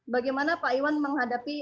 bagaimana pak iwan menghadapi